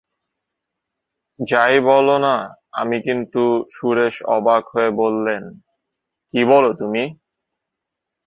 যাই বল না আমি কিন্তু– সুরেশ অবাক হয়ে বললেন, কী বল তুমি!